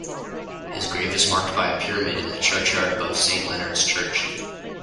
His grave is marked by a pyramid in the churchyard above Saint Leonard's Church.